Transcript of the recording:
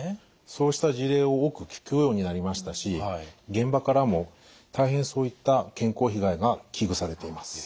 そうした事例を多く聞くようになりましたし現場からも大変そういった健康被害が危惧されています。